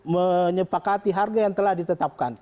menyepakati harga yang telah ditetapkan